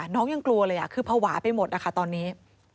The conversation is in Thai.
น้องยังกลัวเลยคือภาวะไปหมดนะคะตอนนี้